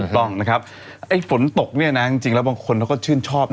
ต้องนะครับไอ้ฝนตกเนี่ยนะจริงแล้วบางคนเขาก็ชื่นชอบนะ